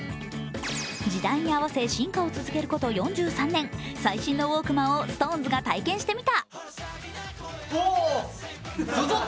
時代に合わせ進化を続けること４３年最新のウォークマンをＳｉｘＴＯＮＥＳが体験してみた！